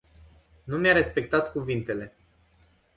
Nu mi-a respectat cuvintele.